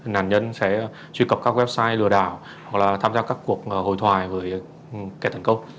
nạn nhân sẽ truy cập các website lừa đảo hoặc là tham gia các cuộc hội thoại với kẻ thành công